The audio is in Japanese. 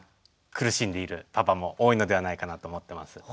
苦しんでいるパパも多いのではないかなと思ってます。